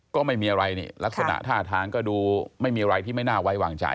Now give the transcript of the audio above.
ก็ไม่มีอะไรนี่ลักษณะท่าทางก็ดูไม่มีอะไรที่ไม่น่าไว้วางใจ